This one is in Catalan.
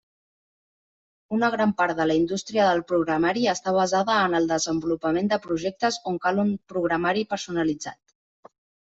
Una gran part de la indústria del programari està basada en el desenvolupament de projectes on cal un programari personalitzat.